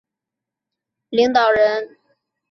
毕苏斯基在其政治生涯前期是波兰社会党的领导人。